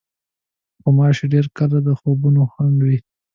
غوماشې ډېر کله د خوبونو خنډ وي.